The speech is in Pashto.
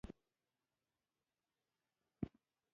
انار د افغانانو لپاره په معنوي لحاظ ارزښت لري.